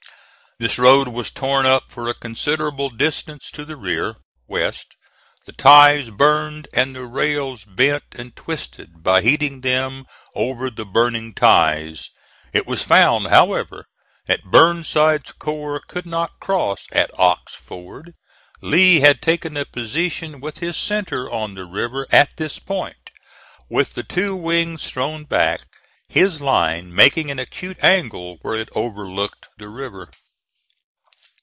This road was torn up for a considerable distance to the rear (west), the ties burned, and the rails bent and twisted by heating them over the burning ties. It was found, however, that Burnside's corps could not cross at Ox Ford. Lee had taken a position with his centre on the river at this point, with the two wings thrown back, his line making an acute angle where it overlooked the river.